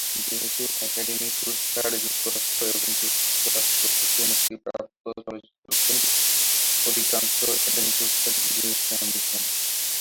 যেহেতু একাডেমি পুরস্কার যুক্তরাষ্ট্র, এবং যুক্তরাষ্ট্র থেকে মুক্তিপ্রাপ্ত চলচ্চিত্র কেন্দ্রিক, অধিকাংশ একাডেমি পুরস্কার বিজয়ী হচ্ছে আমেরিকান।